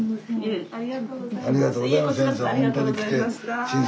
ありがとうございました先生。